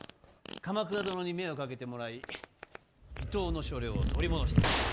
鎌倉殿に目をかけてもらい伊東の所領を取り戻した。